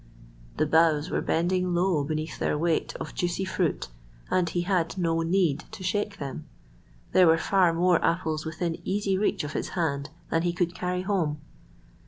The boughs were bending low beneath their weight of juicy fruit, and he had no need to shake them. There were far more apples within easy reach of his hand than he could carry home.